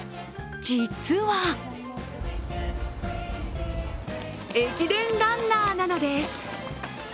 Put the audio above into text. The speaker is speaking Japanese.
実は、駅伝ランナーなのです。